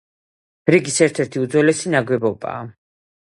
რიგის ერთ-ერთი უძველესი ნაგებობა.